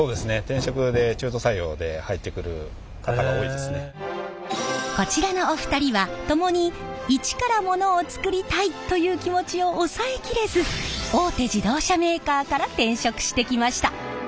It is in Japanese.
転職でこちらのお二人はともに一からモノを作りたいという気持ちを抑え切れず大手自動車メーカーから転職してきました。